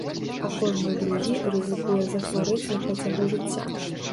А кожны другі рызыкуе захварэць на працягу жыцця.